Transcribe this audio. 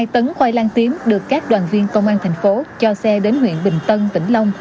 hai tấn khoai lang tím được các đoàn viên công an tp hcm cho xe đến huyện bình tân tỉnh long